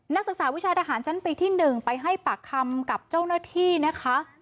นักศึกษาวิชาทหารชั้นปีที่๑ไปให้ปากคำกับเจ้าหน้าที่นะคะ